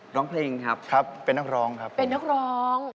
ร้องเพลงครับเป็นนักร้องครับเป็นนักร้องครับเป็นนักร้อง